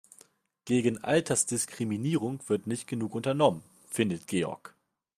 Gegen Altersdiskriminierung wird nicht genug unternommen, findet Georg.